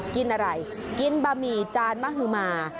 กินอะไรกินบะหมี่จานมฮือมา